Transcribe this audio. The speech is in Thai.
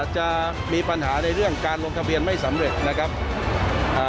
จะมีปัญหาในเรื่องการลงทะเบียนไม่สำเร็จนะครับอ่า